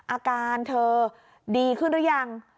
อาการเธอดีขึ้นหรือยัง